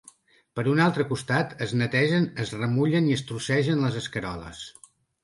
Per un altre costat, es netegen, es remullen i es trossegen les escaroles.